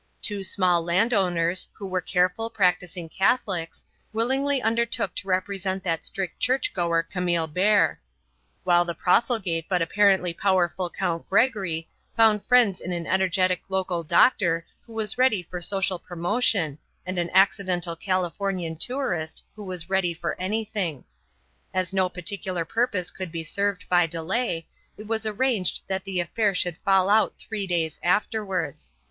Two small landowners, who were careful, practising Catholics, willingly undertook to represent that strict church goer Camille Burt; while the profligate but apparently powerful Count Gregory found friends in an energetic local doctor who was ready for social promotion and an accidental Californian tourist who was ready for anything. As no particular purpose could be served by delay, it was arranged that the affair should fall out three days afterwards.